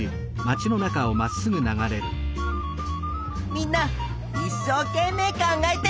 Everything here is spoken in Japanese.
みんないっしょうけんめい考えてるね！